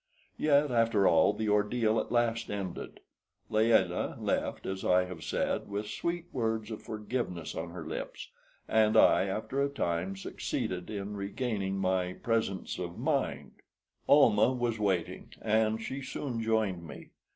Yet, after all, the ordeal at last ended. Layelah left, as I have said, with sweet words of forgiveness on her lips, and I after a time succeeded in regaining my presence of mind. Almah was waiting, and she soon joined me.